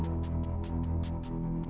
bayi itu bukan anakmu